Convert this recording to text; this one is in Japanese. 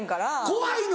怖いの？